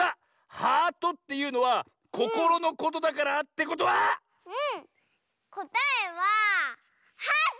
「ハート」っていうのはココロのことだからってことは⁉うんこたえは「ハート」！